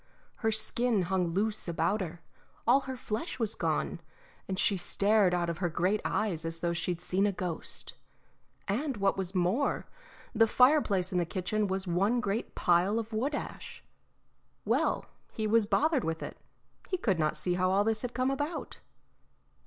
Her skin hung loose about her, all her flesh was gone, and she stared out of her great eyes as though she'd seen a ghost; and what was more, the fireplace in the kitchen was one great pile of wood ash. Well, he was bothered with it; he could not see how all this had come about.